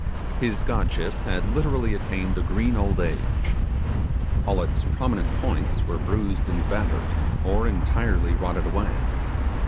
His godship had literally attained a green old age. All its prominent points were bruised and battered, or entirely rotted away.